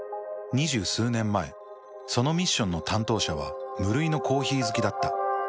２０数年前そのミッションの担当者は無類のコーヒー好きだった。